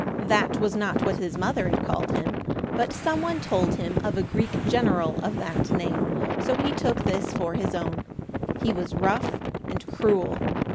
That was not what his mother had called him, but some one told him of a Greek general of that name; so he took this for his own. He was rough and cruel.